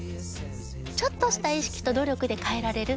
ちょっとした意識と努力で変えられる。